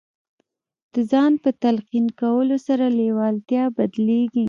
د ځان په تلقین کولو سره لېوالتیا بدلېږي